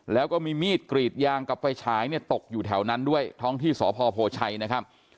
แล้วก็มีมีดกรีดยางกับไฟฉายเนี่ยตกอยู่แถวนั้นด้วยท้องที่สพโพชัยนะครับ